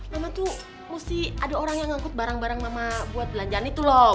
mama tuh mesti ada orang yang ngangkut barang barang mama buat belanjaan itu loh